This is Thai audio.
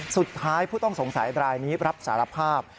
สุดท้ายผู้ต้องสงสัยบรายนี้รับสารภาพ